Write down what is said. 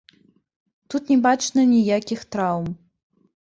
Тут не бачна ніякіх траўм.